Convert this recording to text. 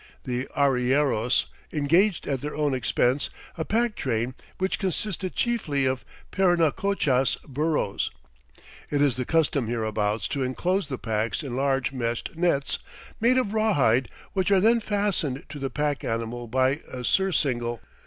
The arrieros engaged at their own expense a pack train which consisted chiefly of Parinacochas burros. It is the custom hereabouts to enclose the packs in large meshed nets made of rawhide which are then fastened to the pack animal by a surcingle.